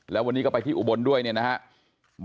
แล้ววันนี้ก็ไปที่อุบลด้วยเนี่ยนะครับ